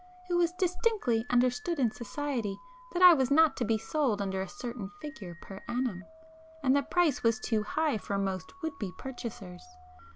It was distinctly understood in society that I was not to be sold under a certain figure per annum,—and the price was too high for most would be purchasers.